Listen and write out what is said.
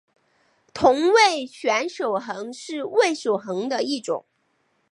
同位旋守恒是味守恒的一种。